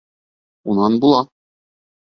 Унан була!